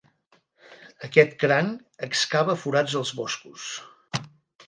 Aquest cranc excava forats als boscos.